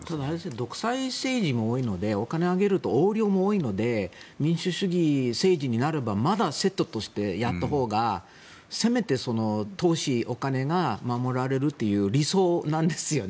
独裁政治も多いのでお金をあげると横領も多いので民主主義政治になればまだセットとしてやったほうがせめて、投資、お金が守られるという理想なんですよね。